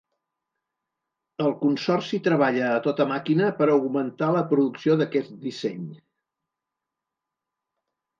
El consorci treballa a tota màquina per augmentar la producció d’aquest disseny.